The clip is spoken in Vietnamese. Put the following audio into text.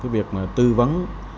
việc tư vấn